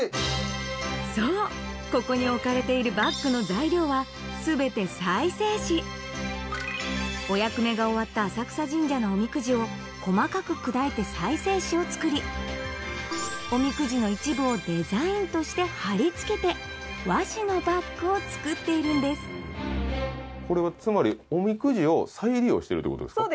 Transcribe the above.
そうここに置かれているバッグの材料は全て再生紙お役目が終わった浅草神社のおみくじを細かく砕いて再生紙を作りおみくじの一部をデザインとして貼り付けて和紙のバッグを作っているんですこれはつまりおみくじを再利用しているってことですか？